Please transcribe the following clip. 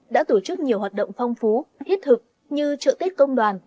đã tổ chức nhiều hoạt động phong phú thiết thực như trợ tết công đoàn